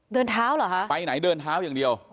เดินเท้าเหรอฮะไปไหนเดินเท้าอย่างเดียว